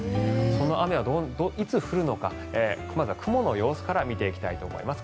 その雨はいつ降るのかまずは雲の様子から見ていきたいと思います。